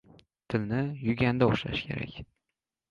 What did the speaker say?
• Tilni yuganda ushlash kerak.